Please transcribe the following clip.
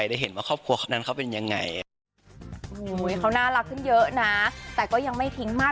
แต่ก็ยังไม่ทิ้งมาตยุค